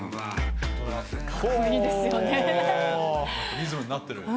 リズムになってる。